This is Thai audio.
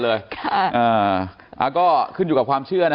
เอาสักกลางวันเลย